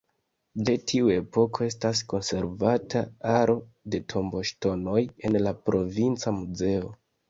De tiu epoko estas konservata aro de tomboŝtonoj en la Provinca Muzeo.